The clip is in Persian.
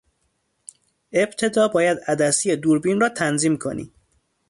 ابتدا باید عدسی دوربین را تنظیم کنی.